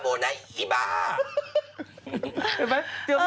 เห็นไหมเจอพี่หนูเหรอ